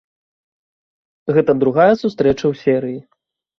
Гэта другая сустрэча ў серыі.